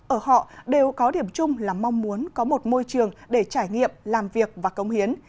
ở họ đều có điểm chung là mong muốn có một môi trường để trải nghiệm làm việc và công hiến